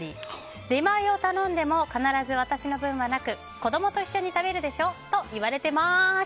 出前を頼んでも必ず私の分はなく子供と一緒に食べるでしょと言われています。